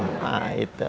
hasil yang diperoleh dengan